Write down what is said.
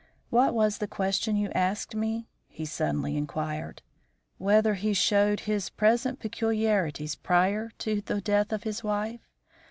What was the question you asked me?" he suddenly inquired. "Whether he showed his present peculiarities prior to the death of his wife?